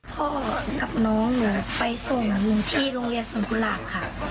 พ่อกับน้องไปส่งที่โรงเรียนสงคราบค่ะ